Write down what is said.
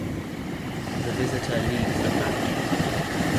The visitor leaves the family.